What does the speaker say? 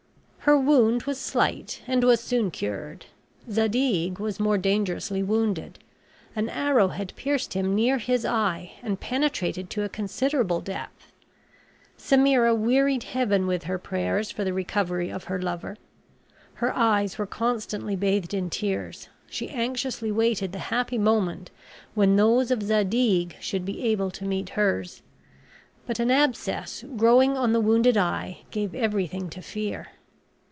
Her wound was slight and was soon cured. Zadig was more dangerously wounded; an arrow had pierced him near his eye, and penetrated to a considerable depth. Semira wearied Heaven with her prayers for the recovery of her lover. Her eyes were constantly bathed in tears; she anxiously waited the happy moment when those of Zadig should be able to meet hers; but an abscess growing on the wounded eye gave everything to fear.